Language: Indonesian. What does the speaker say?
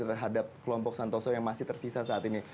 terhadap kelompok santoso yang masih tersisa saat ini